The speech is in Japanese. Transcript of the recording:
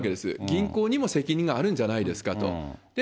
銀行にも責任があるんじゃないですかと。